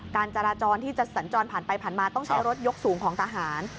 การจราจรที่จะสัญจรผ่านไปผ่านมาต้องใช้รถยกสูงของทหาร